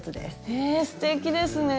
へえすてきですね。